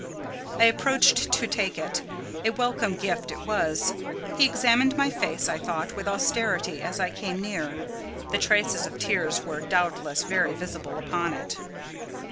I approached to take it: a welcome gift it was. He examined my face, I thought, with austerity, as I came near: the traces of tears were doubtless very visible upon it.